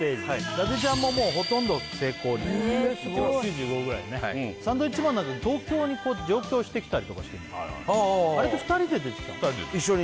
伊達ちゃんももうほとんど成功いってますはい９５ぐらいだねサンドウィッチマン東京に上京してきたりとかしてあれって２人で出てきたの？え